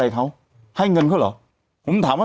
แต่หนูจะเอากับน้องเขามาแต่ว่า